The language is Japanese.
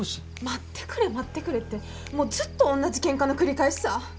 待ってくれ待ってくれってもうずっと同じケンカの繰り返しさ。